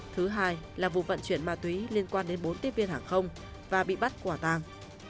thứ hai là vụ vận chuyển ma túy liên quan đến bốn tiếp viên hàng không và bị bắt quả tàng